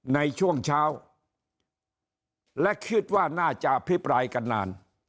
ในช่วงเช้าและคิดว่าน่าจะอภิปรายกันนาน